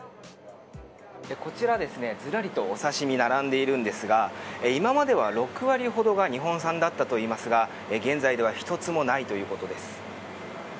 こちら、ずらりとお刺し身が並んでいるんですが今までは６割ほどが日本産だったということですが現在では１つもないということです。